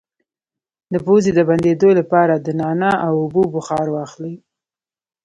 د پوزې د بندیدو لپاره د نعناع او اوبو بخار واخلئ